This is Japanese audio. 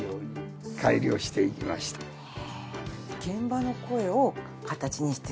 現場の声を形にしている。